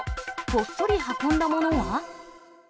こっそり運んだものは？